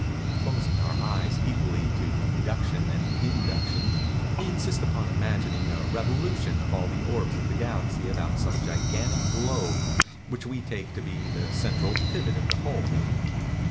Closing our eyes equally to _de_duction and _in_duction, we insist upon imagining a revolution of all the orbs of the Galaxy about some gigantic globe which we take to be the central pivot of the whole.